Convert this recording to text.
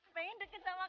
pengen deket sama kamu